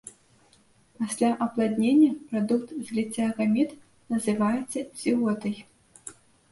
Пасля апладнення, прадукт зліцця гамет, называецца зіготай.